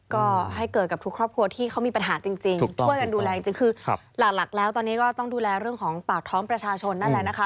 ก็ให้เกิดกับทุกครอบครัวที่เขามีปัญหาจริงช่วยกันดูแลจริงคือหลักแล้วตอนนี้ก็ต้องดูแลเรื่องของปากท้องประชาชนนั่นแหละนะคะ